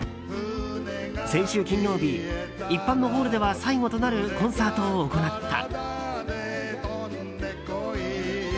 先週金曜日一般のホールでは最後となるコンサートを行った。